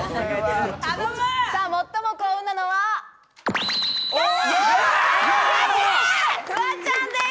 最も幸運なのはフワちゃんです。